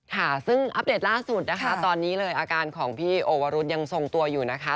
ค่ะซึ่งอัปเดตล่าสุดนะคะตอนนี้เลยอาการของพี่โอวรุธยังทรงตัวอยู่นะคะ